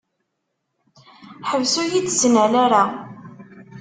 Ḥbes ur yi-d-ttnal ara.